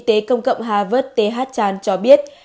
y tế công cộng harvard th chan cho biết